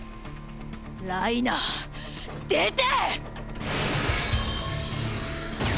ライナー出て。